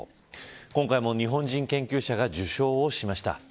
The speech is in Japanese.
今回も日本人研究者が受賞をしました。